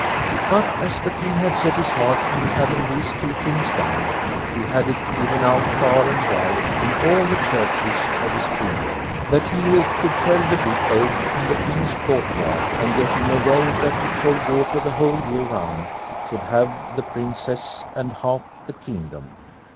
But as the King had set his heart on having these two things done, he had it given out far and wide, in all the churches of his kingdom, that he who could fell the big oak in the king's court yard, and get him a well that would hold water the whole year round, should have the Princess and half the kingdom.